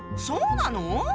そうなの？